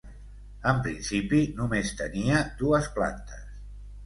En principi només tenia dues plantes.